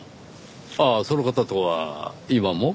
ああその方とは今も？